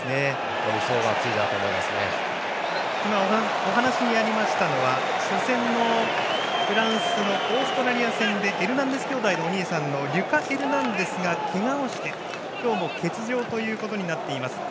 お話にありましたのは初戦のフランスのオーストラリア戦でエルナンデス兄弟のお兄さんリュカ・エルナンデスがけがをして今日も欠場となっています。